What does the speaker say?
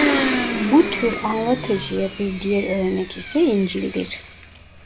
Bu tür anlatıcıya bir diğer örnek ise İncil'dir.